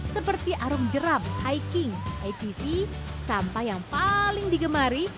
seperti arung jeram hiking atv sampah yang paling digemari